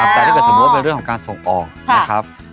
แต่ถ้าเกิดสมมุติว่าเป็นเรื่องของการส่งออกนะครับ